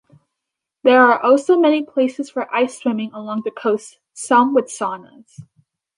There are also many places for ice swimming along the coast, some with saunas.